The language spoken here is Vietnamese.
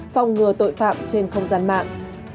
phòng ngừa tội phạm trên không gian mạng